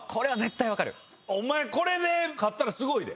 お前これで勝ったらすごいで。